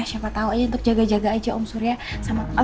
siapa tau aja untuk jaga jaga aja om surya sama tante sarah